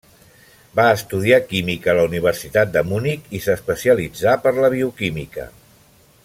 Va estudiar química a la Universitat de Munic, i s'especialitzà per la bioquímica.